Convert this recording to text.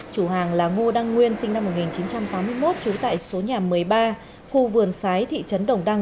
chủ hàng là ngô đăng nguyên sinh năm một nghìn chín trăm tám mươi một trú tại số nhà một mươi ba khu vườn sái thị trấn đồng đăng